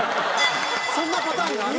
そんなパターンがあるの？